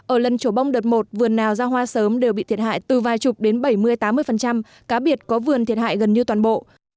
ở lần trổ bông đợt một vườn nào ra hoa sớm đều bị thiệt hại từ vài chục đến bảy mươi tám mươi cá biệt có vườn thiệt hại gần như toàn bộ